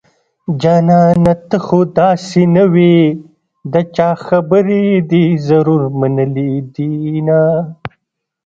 جانانه ته خو داسې نه وي د چا خبرې دې ضرور منلي دينه